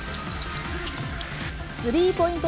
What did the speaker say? スリーポイント